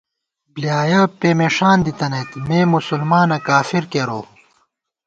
بۡلیایَہ پېمېݭان دِتَنَئیت، مے مسلمانہ کافر کېروؤ